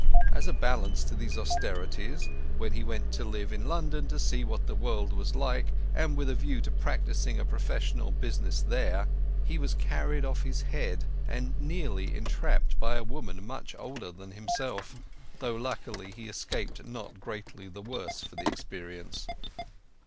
As a balance to these austerities, when he went to live in London to see what the world was like, and with a view to practising a profession or business there, he was carried off his head, and nearly entrapped by a woman much older than himself, though luckily he escaped not greatly the worse for the experience.